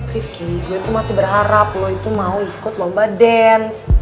rifqi gue tuh masih berharap lu itu mau ikut lomba dance